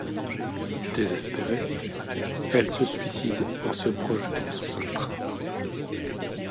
Désespérée, elle se suicide en se projetant sous un train.